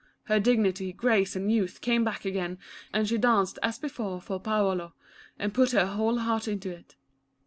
Her dig nity, grace, and youth came back again, and she danced as before for Paolo, and put her whole heart into it.